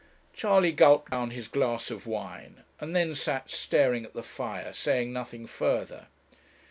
Charley gulped down his glass of wine, and then sat staring at the fire, saying nothing further.